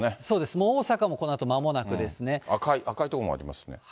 もう大阪も、この赤い所もありますね。